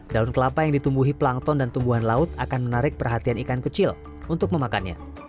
daun kelapa yang ditumbuhi plankton dan tumbuhan laut akan menarik perhatian ikan kecil untuk memakannya